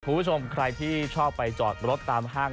คุณผู้ชมใครที่ชอบไปจอดรถตามห้าง